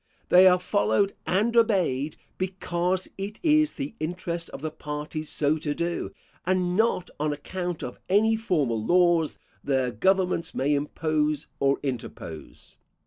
They are followed and obeyed, because it is the interest of the parties so to do, and not on account of any formal laws their governments may impose or interpose.